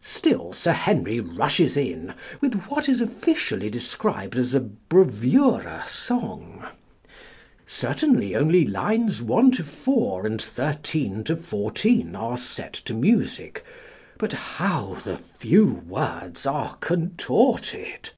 Still, Sir Henry rushes in with what is officially described as a bravura song. Certainly only lines 1 4 and 13 14 are set to music, but how the few words are contorted!